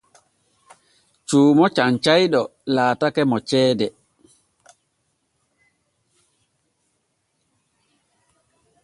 Cuumo canyayɗo laatake mo ceede.